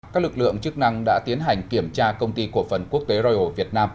các lực lượng chức năng đã tiến hành kiểm tra công ty cổ phần quốc tế royal việt nam